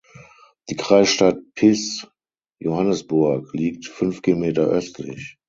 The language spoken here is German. Die Kreisstadt Pisz "(Johannisburg)" liegt fünf Kilometer östlich.